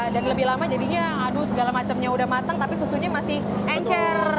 dan lebih lama jadinya aduh segala macemnya udah matang tapi susunya masih encer